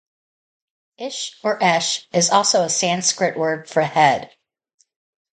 Ish or Esh is also a Sanskrit word for head.